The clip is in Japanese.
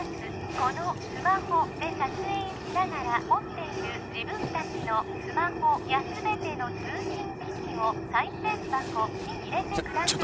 このスマホで撮影しながら持っている自分達のスマホや全ての通信機器を賽銭箱に入れてください